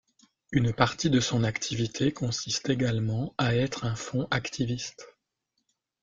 Une partie de son activité consiste également à être un fonds activiste.